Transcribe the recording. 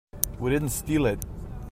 We didn't steal it.